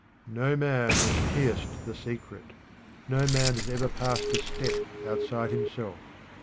No man has pierced the secret. No man has ever passed a step outside himself.